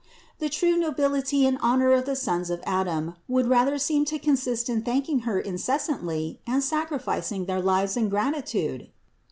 The true nobility and honor of the sons of Adam would rather seem to consist in thanking Her incessantly and sacrific ing their lives in gratitude